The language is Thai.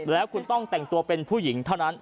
แล้วคุณต้องแต่งตัวเป็นผู้หญิงเท่านั้น